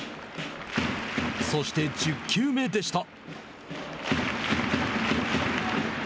そして１０球目でした。